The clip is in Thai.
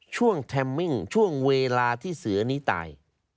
แทมมิ่งช่วงเวลาที่เสือนี้ตาย